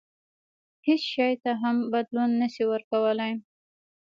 هیڅ شي ته هم بدلون نه شي ورکولای.